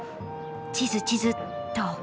地図地図っと。